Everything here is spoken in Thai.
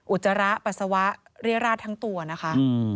จระปัสสาวะเรียราชทั้งตัวนะคะ